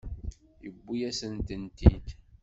Yewwi-yasen-tent-id.